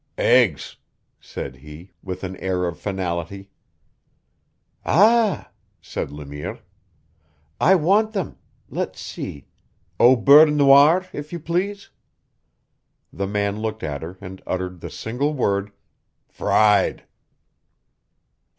"Aigs," said he, with an air of finality. "Ah!" said Le Mire. "I want them let's see au beurre noire, if you please." The man looked at her and uttered the single word: "Fried."